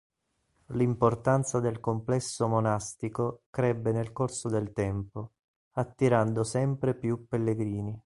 L'importanza del complesso monastico crebbe nel corso del tempo, attirando sempre più pellegrini.